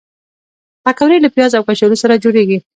پکورې له پیازو او کچالو سره جوړېږي